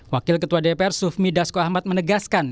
wakil ketua dpr sufmi dasko ahmad menegaskan